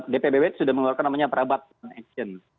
dpbw sudah mengeluarkan namanya perabot action